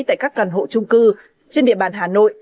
tại các căn hộ trung cư trên địa bàn hà nội